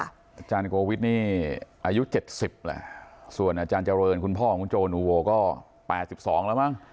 อาจารย์โกวิทนี่อายุ๗๐แหละส่วนอาจารย์เจริญคุณพ่อของโจนูโวก็๘๒แล้วมั้ง